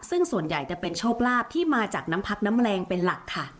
ซึ่งส่วนใหญ่จะเป็นโชคลาภที่มาจากน้ำพักน้ำแรงเป็นหลักค่ะ